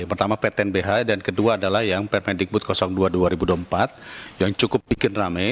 pertama ptnbh dan kedua adalah yang permendikbud dua dua ribu dua puluh empat yang cukup bikin rame